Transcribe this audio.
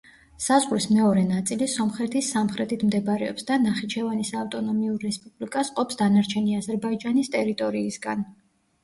საზღვრის მეორე ნაწილი სომხეთის სამხრეთით მდებარეობს და ნახიჩევანის ავტონომიურ რესპუბლიკას ყოფს დანარჩენი აზერბაიჯანის ტერიტორიისგან.